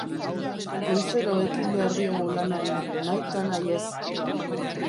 Goizero ekin behar diogu lanari, nahi ta nahiez.